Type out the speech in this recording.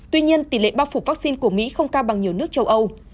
tuy nhiên tỷ lệ bao phủ vaccine của mỹ không cao bằng nhiều nước châu âu